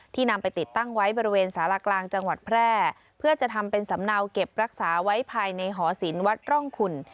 นำไปติดตั้งไว้บริเวณสารกลางจังหวัดแพร่เพื่อจะทำเป็นสำเนาเก็บรักษาไว้ภายในหอศิลปร่องคุณ